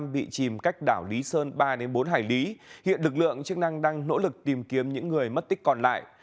bị chìm cách đảo lý sơn ba bốn hải lý hiện lực lượng chức năng đang nỗ lực tìm kiếm những người mất tích còn lại